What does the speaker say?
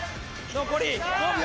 残り５秒！